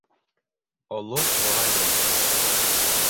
Оло ғалим!